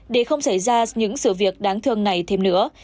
để không xảy ra những sự việc đáng thương này thêm nữa